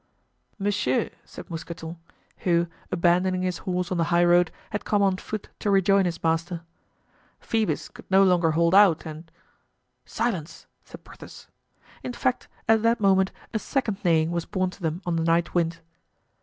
"Monsieur," said Mousqueton, who, abandoning his horse on the high road, had come on foot to rejoin his master, "Phoebus could no longer hold out and——" "Silence!" said Porthos. In fact, at that moment a second neighing was borne to them on the night wind.